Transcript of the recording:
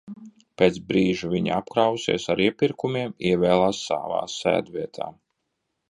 Pēc brīža viņa, apkrāvusies ar iepirkumiem, ievēlās savā sēdvietā.